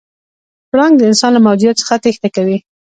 پړانګ د انسان له موجودیت څخه تېښته کوي.